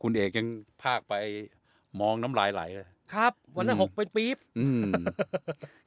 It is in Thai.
คุณเอกยังพากไปมองน้ำลายไหลเลยครับวันนั้นหกเป็นปี๊บอืม